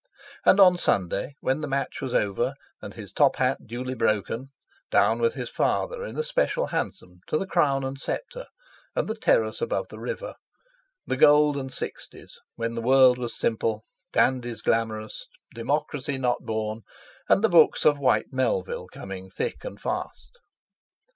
And on Sunday, when the match was over, and his top hat duly broken, down with his father in a special hansom to the "Crown and Sceptre," and the terrace above the river—the golden sixties when the world was simple, dandies glamorous, Democracy not born, and the books of Whyte Melville coming thick and fast.